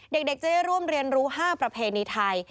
เด็กจะได้ร่วมเรียนรู้๕ประเพณีไทย